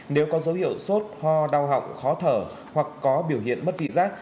nếu có dấu hiệu sốt ho đau họng khó thở hoặc có biểu hiện mất vị giác